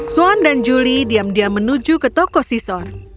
swan dan julie diam diam menuju ke toko si sohn